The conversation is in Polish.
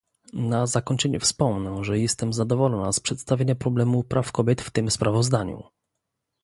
Na zakończenie wspomnę, że jestem zadowolona z przedstawienia problemu praw kobiet w tym sprawozdaniu!